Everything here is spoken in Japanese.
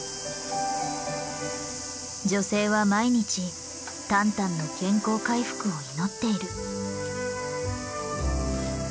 女性は毎日タンタンの健康回復を祈っている。